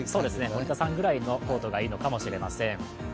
森田さんくらいのコートがいいのかもしれません。